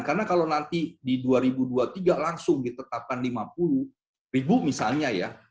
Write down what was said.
karena kalau nanti di dua ribu dua puluh tiga langsung ditetapkan rp lima puluh misalnya ya